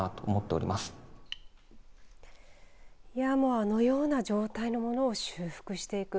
あのような状態のものを修復していく。